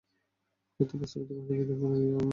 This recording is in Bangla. হয়ত, প্রস্তাবিত বাকি দুটি ফোলিয়ো প্রকাশিত হয় নি।